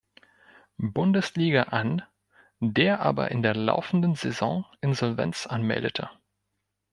Bundesliga an, der aber in der laufenden Saison Insolvenz anmeldete.